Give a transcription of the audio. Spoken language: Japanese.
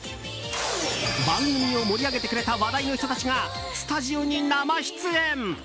番組を盛り上げてくれた話題の人たちがスタジオに生出演。